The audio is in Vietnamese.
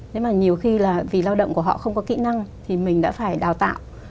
thế mà nhiều khi là vì lao động của họ không có kỹ năng thì mình đã phải đào tạo